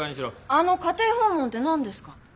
あの家庭訪問って何ですか？